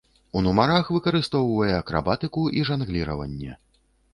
У нумарах выкарыстоўвае акрабатыку і жангліраванне.